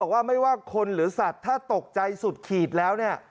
ว่าไม่ว่าคนหรือสัตว์ถ้าตกใจสุดขีดแล้วเนี่ย